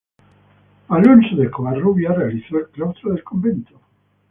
Alonso de Covarrubias realizó el claustro del convento.